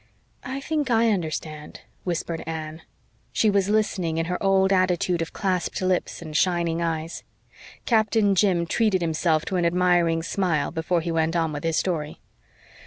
"I think I understand," whispered Anne. She was listening in her old attitude of clasped lips and shining eyes. Captain Jim treated himself to an admiring smile before he went on with his story.